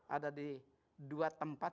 ada di dua tempat